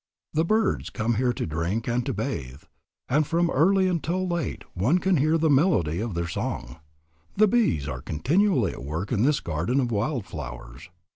The birds come here to drink and to bathe, and from early until late one can hear the melody of their song. The bees are continually at work in this garden of wild flowers.